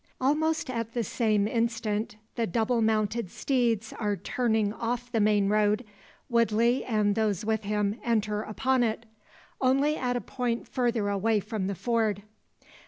Almost at the same instant the double mounted steeds are turning off the main road, Woodley and those with him enter upon it; only at a point further away from the ford.